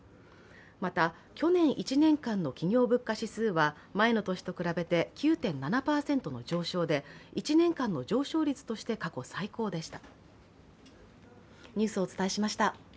また、去年１年間の企業物価指数は前の年と比べて９．７％の上昇で１年間の上昇率として過去最高でした。